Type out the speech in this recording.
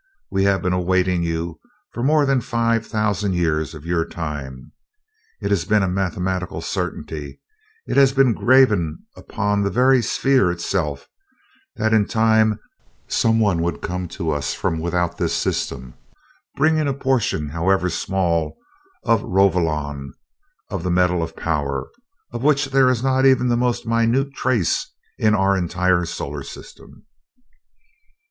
We have been awaiting you for more than five thousand years of your time. It has been a mathematical certainty it has been graven upon the very Sphere itself that in time someone would come to us from without this system, bringing a portion, however small, of Rovolon of the metal of power, of which there is not even the most minute trace in our entire solar system.